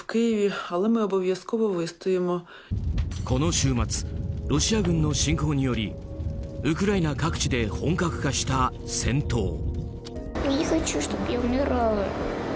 この週末ロシア軍の侵攻によりウクライナ各地で本格化した戦闘。